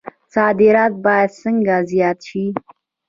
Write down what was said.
صادرات باید څنګه زیات شي؟